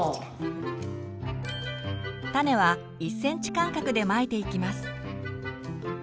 種は１ｃｍ間隔でまいていきます。